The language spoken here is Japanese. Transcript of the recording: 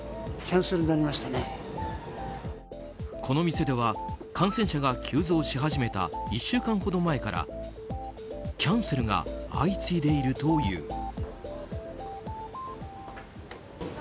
この店では感染者が急増し始めた１週間ほど前からキャンセルが相次いでいるという。